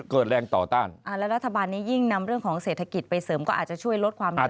เกิดแรงต่อต้านอ่าแล้วรัฐบาลนี้ยิ่งนำเรื่องของเศรษฐกิจไปเสริมก็อาจจะช่วยลดความเหนื่อย